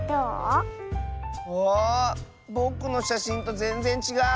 ぼくのしゃしんとぜんぜんちがう！